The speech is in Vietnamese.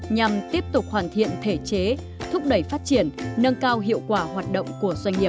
nhằm tiếp tục hoàn thiện thể chế thúc đẩy phát triển nâng cao hiệu quả hoạt động của doanh nghiệp